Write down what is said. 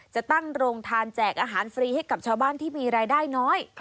จะตั้งโรงทานแจกอาหารฟรีให้กับชาวบ้านที่มีรายได้น้อย